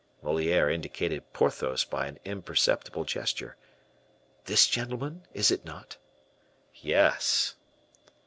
Moliere indicated Porthos by an imperceptible gesture, "This gentleman, is it not?" "Yes."